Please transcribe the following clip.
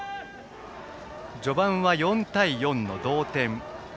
序盤は４対４の同点。